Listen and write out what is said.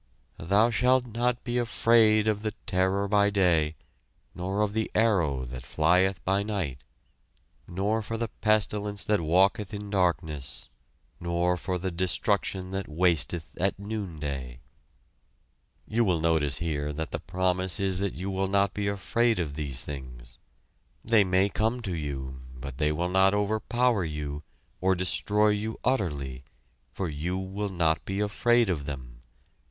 "Thou shalt not be afraid of the terror by day, nor of the arrow that flieth by night, nor for the pestilence that walketh in darkness, nor for the destruction that wasteth at noonday." You will notice here that the promise is that you will not be afraid of these things. They may come to you, but they will not overpower you, or destroy you utterly, for you will not be afraid of them.